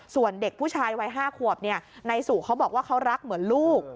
ส่วนเด็กผู้ชายวัย๕ขวบนายสู่เขาบอกว่าเขารักเหมือนลูก